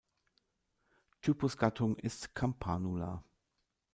Typusgattung ist "Campanula".